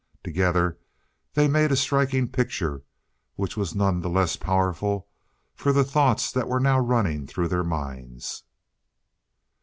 Together they made a striking picture, which was none the less powerful for the thoughts that were now running through their minds.